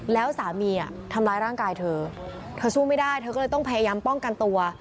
แล้วสามีทำร้ายร่างกายเธอเธอสู้ไม่ได้เธอก็เลยต้องพยายามป้องกันตัว